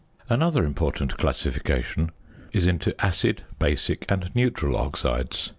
Another important classification is into acid, basic and neutral oxides.